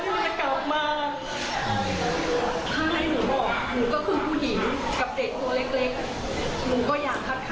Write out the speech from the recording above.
มันก็กลัวว่าอันนผู้นี้ไม่ตอดภัย